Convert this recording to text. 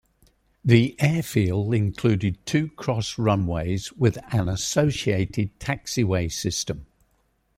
The airfield included two x runways with an associated taxiway system.